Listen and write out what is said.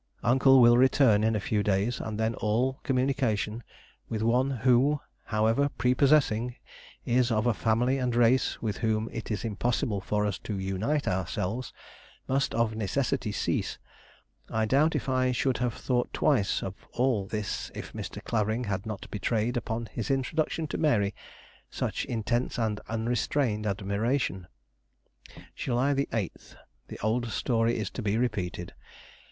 Uncle will return in a few days, and then all communication with one who, however prepossessing, is of a family and race with whom it is impossible for us to unite ourselves, must of necessity cease. I doubt if I should have thought twice of all this if Mr. Clavering had not betrayed, upon his introduction to Mary, such intense and unrestrained admiration. "July 8. The old story is to be repeated.